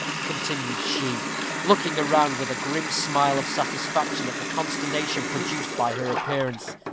continued she, looking around with a grim smile of satisfaction at the consternation produced by her appearance.